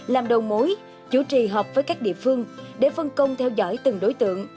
làm đầu mối chủ trì họp với các địa phương để phân công theo dõi từng đối tượng